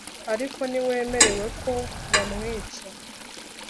Ariko ntiwemerewe ko bamwwica